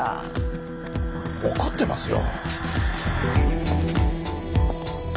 わかってますよ。